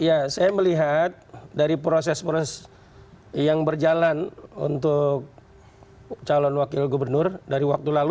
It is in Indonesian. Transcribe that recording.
ya saya melihat dari proses proses yang berjalan untuk calon wakil gubernur dari waktu lalu